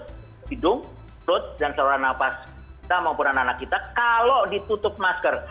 hidung perut dan saluran nafas kita maupun anak anak kita kalau ditutup masker